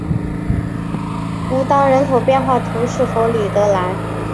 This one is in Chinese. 乌当人口变化图示弗里德兰